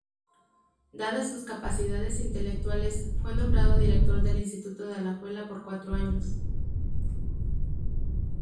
Dadas sus capacidades intelectuales, fue nombrado Director del Instituto de Alajuela, por cuatro años.